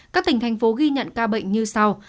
các tỉnh thành phố ghi nhận ca bệnh như sau